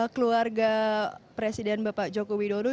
keluarga presiden bapak joko widodo